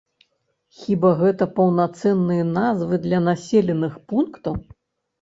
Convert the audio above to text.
Хіба гэта паўнацэнныя назвы для населеных пунктаў?